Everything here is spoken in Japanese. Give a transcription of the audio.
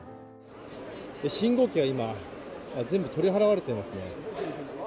信号機が今、全部取り払われていますね。